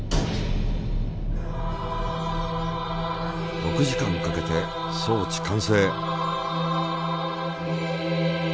６時間かけて装置完成。